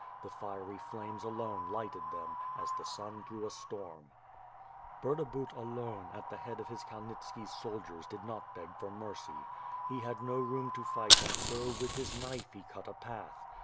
The fiery flames alone lighted them, as the sun through a stonn. Burdabut, alone, at the head of his Kalnitski soldiers did not beg for mercy. He had no room to fight and so, with his knife, he cut a path.